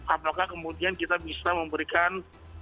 apakah kemudian kita bisa memberikan